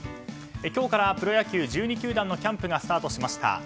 今日からプロ野球１２球団のキャンプがスタートしました。